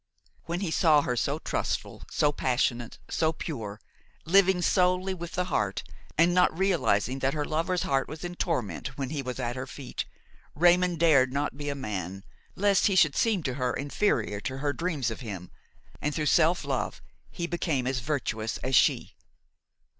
When he saw her so trustful, so passionate, so pure, living solely with the heart and not realizing that her lover's heart was in torment when he was at her feet, Raymon dared not be a man, lest he should seem to her inferior to her dreams of him, and, through self love, he became as virtuous as she.